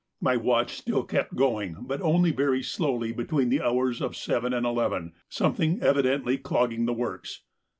My watch still kept going, but only very slowly between the hours of seven and eleven, something evidently clogging the works.